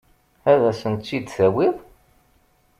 Ad asent-tt-id-tawiḍ?